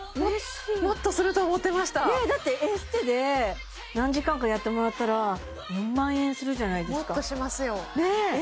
もっとすると思ってましたねえだってエステで何時間かやってもらったらウン万円するじゃないですかねえもっとしますよえ